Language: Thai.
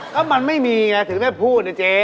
ก็มันไม่มีไงถึงได้พูดนะเจ๊